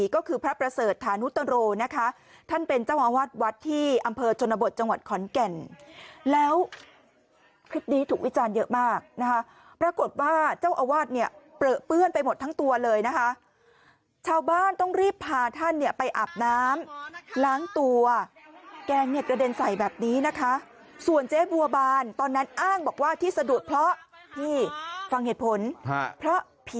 ก็คือพระประเสริฐฐานุตโรนะคะท่านเป็นเจ้าอาวาสวัดที่อำเภอชนบทจังหวัดขอนแก่นแล้วคลิปนี้ถูกวิจารณ์เยอะมากนะคะปรากฏว่าเจ้าอาวาสเนี่ยเปลือเปื้อนไปหมดทั้งตัวเลยนะคะชาวบ้านต้องรีบพาท่านเนี่ยไปอาบน้ำล้างตัวแกงเนี่ยกระเด็นใส่แบบนี้นะคะส่วนเจ๊บัวบานตอนนั้นอ้างบอกว่าที่สะดุดเพราะพี่ฟังเหตุผลเพราะผี